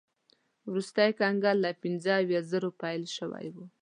وروستی کنګل له پنځه اویا زرو پیل شوی و.